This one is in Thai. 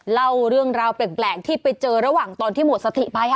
เล่าเรื่องราวแปลกที่ไปเจอระหว่างตอนที่หมดสติไป